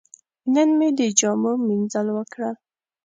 نن مې د جامو مینځل وکړل.